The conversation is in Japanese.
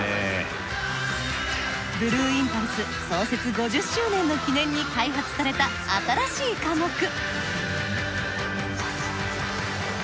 ブルーインパルス創設５０周年の記念に開発された新しい課目。